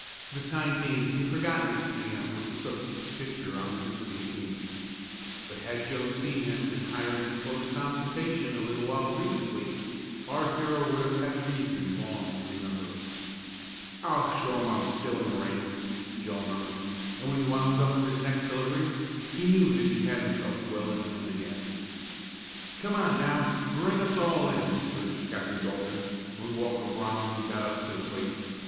For the time being he had forgotten that Sam was the substitute pitcher on the visiting team, but had Joe seen him and Hiram in close consultation a little while previously, our hero would have had reason long to remember it. "I'll show 'em I am still in the ring!" Joe murmured, and when he wound up for his next delivery he knew that he had himself well in hand again. "Come on now, bring us all in!" urged Captain Dalton, when Walker Bromley got up to the plate.